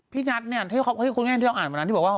พี่นัทเนี่ยคู่แกได้ข้ออ่านมานานที่บอกว่า